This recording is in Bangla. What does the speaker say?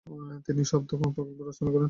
তিনি শব্দকল্পদ্রূম রচনা শুরু করেন।